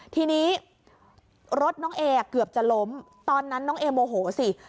ทีนี้รถน้องเอเกือบจะล้มตอนนั้นน้องเอโมโหสิ